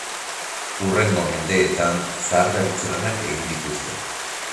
Hurrengo mendeetan zaharberritze lanak egin dituzte.